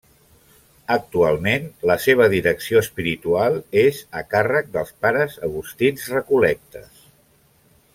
Actualment, la seva direcció espiritual és a càrrec dels pares agustins recol·lectes.